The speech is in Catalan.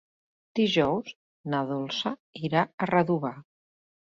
Dijous na Dolça irà a Redovà.